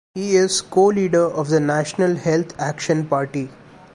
He is Co-Leader of the National Health Action Party.